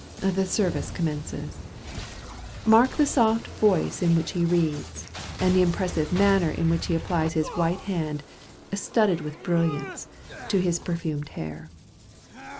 The service commences. Mark the soft voice in which he reads, and the impressive manner in which he applies his white hand, studded with brilliants, to his perfumed hair.